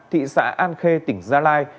thị xã an khê tỉnh gia lai